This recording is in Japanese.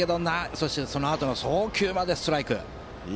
そして、そのあとの送球までストライク。